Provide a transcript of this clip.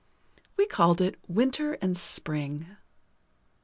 We called it "Winter and Spring."